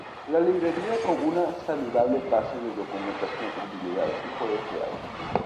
La librería, con una saludable base de documentación, utilidades y juegos creados.